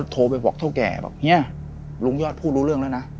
ทุกกลูงยอดพูดรู้เรื่องแล้วนะ